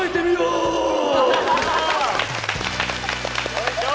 よいしょ。